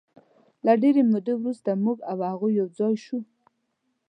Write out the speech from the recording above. د ډېرې مودې وروسته موږ او هغوی یو ځای شوو.